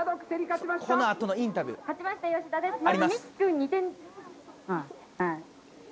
このあとのインタビューあります。